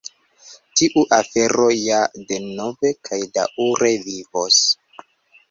Tiu afero ja denove kaj daŭre vivos.